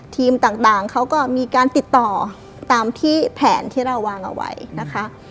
ทีมต่างเขาก็มีการติดต่อตามที่แผนที่เราวางเอาไว้นะคะ